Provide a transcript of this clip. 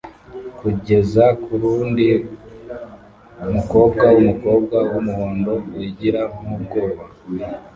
kugeza kurundi mukobwa wumukobwa wumuhondo wigira nkubwoba